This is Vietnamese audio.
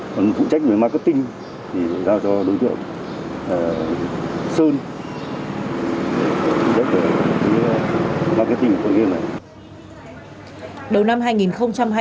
còn phụ trách về marketing thì giao cho đối tượng sơn để phụ trách về marketing của con game này